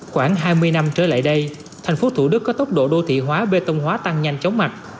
khoảng hai mươi năm trở lại đây thành phố thủ đức có tốc độ đô thị hóa bê tông hóa tăng nhanh chóng mặt